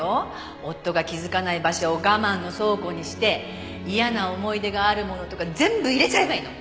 「夫が気づかない場所を我慢の倉庫にして嫌な思い出があるものとか全部入れちゃえばいいの」